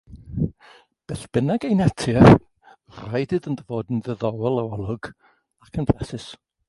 Beth bynnag eu natur rhaid iddynt fod yn ddiddorol yr olwg ac yn flasus.